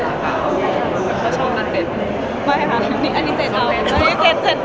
ไม่ใช่อันนี้เจ๋นก่อน